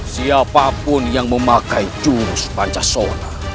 siapapun yang memakai jurus pancasila